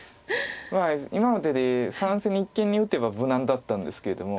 まあ今の手で３線に一間に打てば無難だったんですけれども。